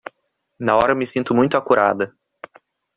Na hora me sinto muito acurada